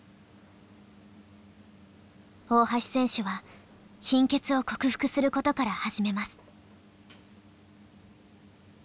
大橋選手は貧血を克服することから始めます。